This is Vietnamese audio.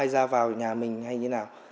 có ai ra vào nhà mình hay như nào